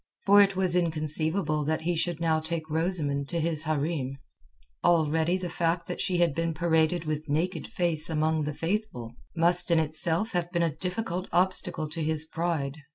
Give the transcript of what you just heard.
For it was inconceivable that he should now take Rosamund to his hareem. Already the fact that she had been paraded with naked face among the Faithful must in itself have been a difficult obstacle to his pride.